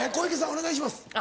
お願いします。